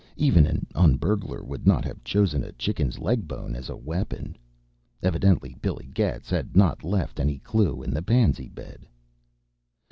Even an un burglar would not have chosen a chicken's leg bone as a weapon. Evidently Billy Getz had not left any clue in the pansy bed.